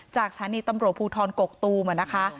จากสถานีตำรวจภูทรกกตูมนะคะ